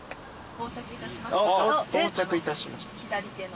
到着いたしました左手の。